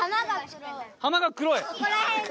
浜が黒い。